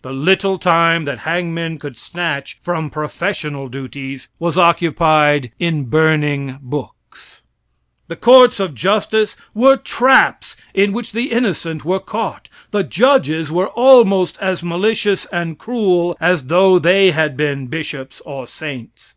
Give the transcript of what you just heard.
The little time that hangmen could snatch from professional duties was occupied in burning books. The courts of justice were traps in which the innocent were caught. The judges were almost as malicious and cruel as though they had been bishops or saints.